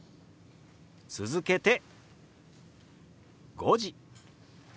続けて「５時」。